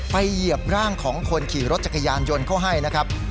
เหยียบร่างของคนขี่รถจักรยานยนต์เข้าให้นะครับ